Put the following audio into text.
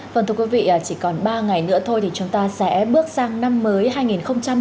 phần thưa quý vị chỉ còn ba ngày nữa thôi thì chúng ta sẽ bước sang năm mới hai nghìn hai mươi